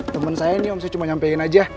temen saya ini om saya cuma nyampein aja